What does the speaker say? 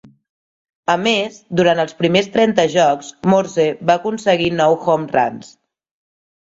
A més, durant els primers trenta jocs, Morse va aconseguir nou "home runs".